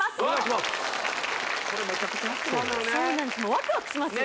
ワクワクしますよ